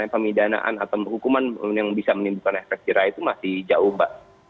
pemidanaan atau hukuman yang bisa menimbulkan efek jerah itu masih jauh mbak